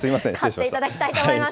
勝っていただきたいと思います。